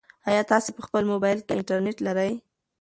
ایا تاسي په خپل موبایل کې انټرنيټ لرئ؟